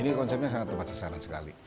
ini konsepnya sangat tepat sasaran sekali